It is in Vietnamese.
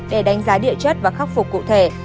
để đánh giá địa chất và khắc phục cụ thể